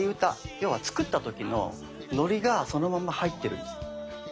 要は作った時のノリがそのまま入ってるんです。